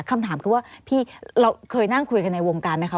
คำถามคือว่าพี่เราเคยนั่งคุยกันในวงการไหมคะ